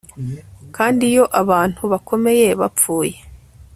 kandi iyo abantu bakomeye bapfuye